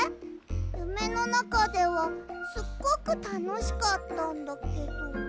ゆめのなかではすっごくたのしかったんだけど。